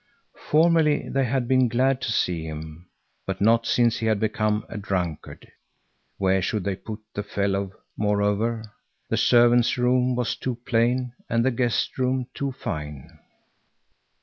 Formerly they had been glad to see him, but not since he had become a drunkard. Where should they put the fellow, moreover? The servants' room was too plain and the guest room too fine.